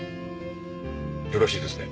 よろしいですね？